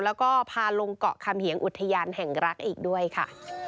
แล้วก็พาลงเกาะคำเหียงอุทยานแห่งรักอีกด้วยค่ะ